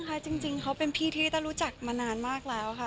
ก็ค่อยบางครั้งค่ะจริงเขาเป็นพี่ที่เธอรู้จักมานานมากแล้วค่ะ